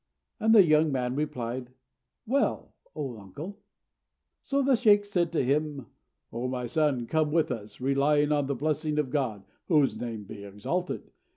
And the young man replied, "Well, O uncle." So the sheykh said to him, "O my son, come with us, relying on the blessing of God (whose name be exalted!)."